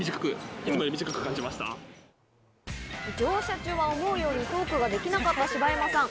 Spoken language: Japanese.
乗車中は思うようにトークができなかったシバヤマさん。